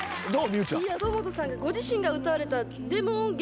堂本さんがご自身が歌われた。